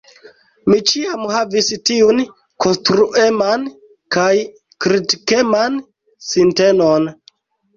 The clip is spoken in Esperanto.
Mi ĉiam havis tiun konstrueman kaj kritikeman sintenon.